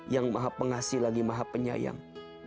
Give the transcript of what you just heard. yang maha pengasih lagi maha penyayang